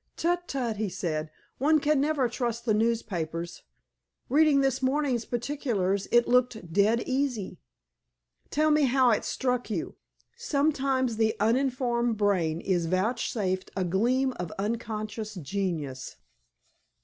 "Tut, tut!" he said. "One can never trust the newspapers. Reading this morning's particulars, it looked dead easy." "Tell me how it struck you. Sometimes the uninformed brain is vouchsafed a gleam of unconscious genius."